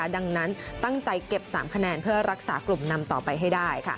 ดังนั้นตั้งใจเก็บ๓คะแนนเพื่อรักษากลุ่มนำต่อไปให้ได้